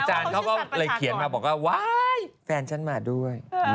เขาก็เลยเขียนมาบอกว่าว้ายแฟนฉันมาด้วย